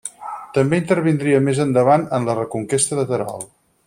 També intervindria més endavant en la reconquesta de Terol.